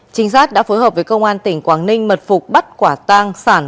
chính sát đã phối hợp với công an tỉnh quảng ninh mật phục bắt quả tàng sản